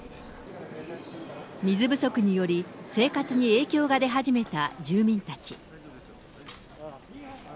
水不足により、生活に影響が出始めた住民たち。